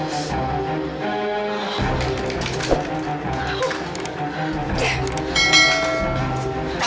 dasar manusia menjauh perasaan